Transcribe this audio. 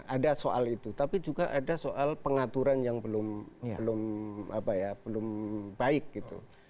ada soal itu tapi juga ada soal pengaturan yang belum baik gitu